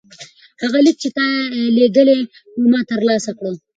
هغه لیک چې تا لیږلی و ما ترلاسه کړ.